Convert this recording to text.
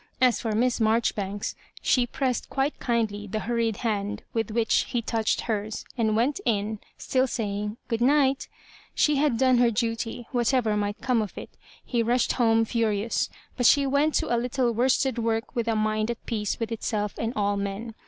As for Miss Marjori banks, she pressed quite kindly the hurried hand with which he touched hers, and went in, still saying, " Grood night" She had done her duty, whatever might come of it He rushed home furious ; but she went to a little worsted work with a mind at peace with itself and all men.